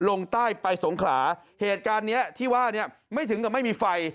ลงใต้ไปสงขลาเหตุการณ์เนี้ยที่ว่าเนี่ยไม่ถึงกับไม่มีไฟ